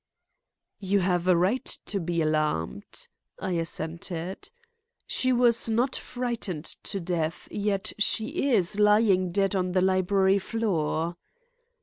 "You have a right to be alarmed," I assented. "She was not frightened to death, yet is she lying dead on the library floor."